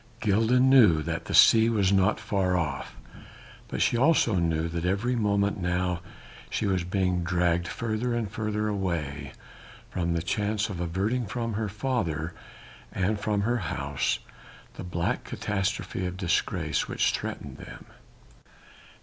Gilda knew that the sea was not far off: but she also knew that every moment now she was being dragged further and further away from the chance of averting from her father and from her house the black catastrophe of disgrace which threatened them.